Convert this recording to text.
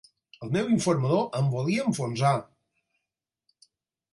El meu informador em volia enfonsar!